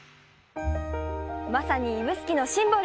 まさに指宿のシンボル！